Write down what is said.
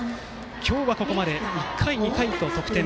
今日はここまで１回、２回と得点。